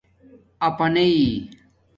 اپاننئ